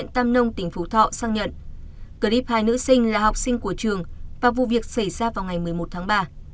tâm nông tỉnh phú thọ xác nhận clip hai nữ sinh là học sinh của trường và vụ việc xảy ra vào ngày một mươi một tháng ba